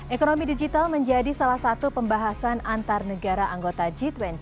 ekonomi digital menjadi salah satu pembahasan antar negara anggota g dua puluh